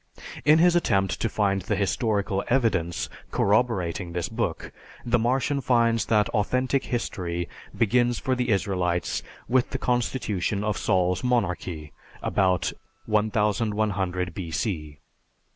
In his attempt to find the historical evidence corroborating this book, the Martian finds that authentic history begins for the Israelites with the constitution of Saul's monarchy about 1100 B.C.